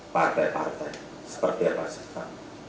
partai partai seperti apa sekarang